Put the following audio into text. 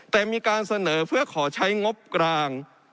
แต่มีการเสนอเพื่อขอใช้งบกลาง